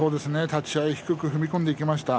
立ち合い、低く踏み込んでいきました。